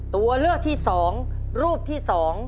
ตัวเลือกที่๒รูปที่๒